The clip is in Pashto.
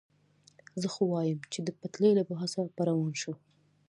زه خو وایم، چې د پټلۍ له پاسه به روان شو.